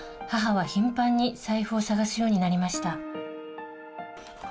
母は頻繁に財布を捜すようになりました